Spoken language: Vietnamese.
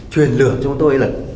chuyền lửa cho chúng tôi là